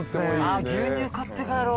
絶対買って帰ろう。